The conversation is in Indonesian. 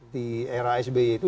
di era sby itu